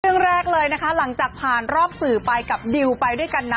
เรื่องแรกเลยนะคะหลังจากผ่านรอบสื่อไปกับดิวไปด้วยกันนะ